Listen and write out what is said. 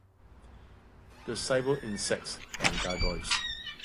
The Cyber Insects" and "Gargoyles".